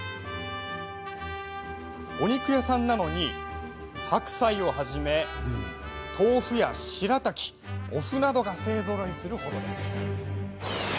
お肉屋さんなのに白菜をはじめ豆腐や、しらたき、おふなどが勢ぞろいする程です。